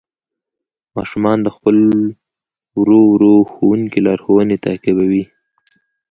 ماشومان د خپل ورو ورو ښوونکي لارښوونې تعقیبوي